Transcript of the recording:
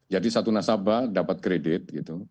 satu nasabah dapat kredit gitu